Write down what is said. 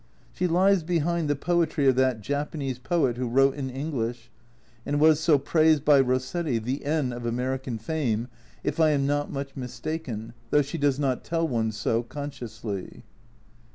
She lies behind the poetry of that Japanese poet who wrote in English, and was so praised by Rossetti, the N of American fame, if I am not much mistaken, though she does not tell one so consciously.